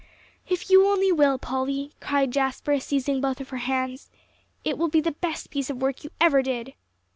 "If you only will, Polly," cried Jasper, seizing both of her hands, "it will be the best piece of work you ever did."